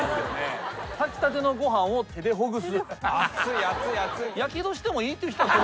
「炊きたてのご飯を手でほぐす」